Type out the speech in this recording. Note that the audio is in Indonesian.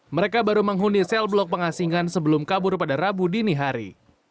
mereka baru menghuni sel blok pengasingan sebelum kabur pada rabu dini hari